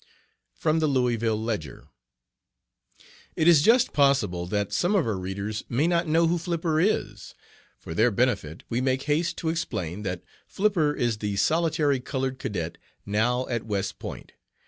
(From the Louisville Ledger.) "It is just possible that some of our readers may not know who Flipper is. For their benefit we make haste to explain that Flipper is the solitary colored cadet now at West Point.